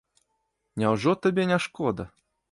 Няўжо табе не шкода?